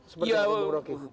seperti yang roke bilang